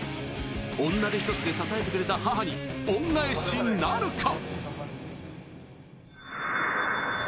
女手一つで支えてくれた母に恩返しなるか。